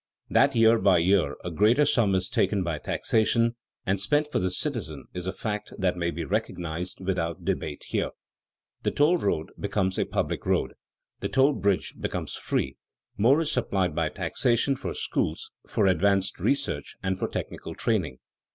That year by year a greater sum is taken by taxation and spent for the citizen is a fact that may be recognized without debate here. The toll road becomes a public road, the toll bridge becomes free, more is supplied by taxation for schools, for advanced research, and for technical training.